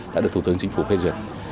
đã được thủ tướng chính phủ phê duyệt